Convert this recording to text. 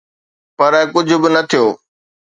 پر ڪجهه به نه ٿيو.